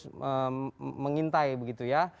terus mengintai begitu ya